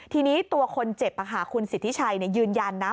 ทีนี้ตัวคนเจ็บคุณสิทธิชัยยืนยันนะ